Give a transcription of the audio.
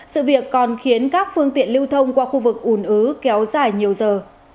sự việc còn khiến các phương tiện lưu thông qua khu vực ùn ứ kéo dài nhiều giờ